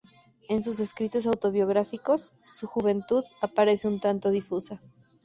En sus escritos autobiográficos, su juventud aparece un tanto difusa.